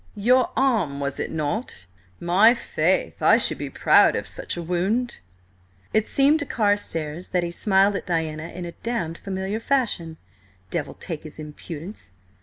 Your arm, was it not? My faith, I should be proud of such a wound!" It seemed to Carstares that he smiled at Diana in a damned familiar fashion, devil take his impudence!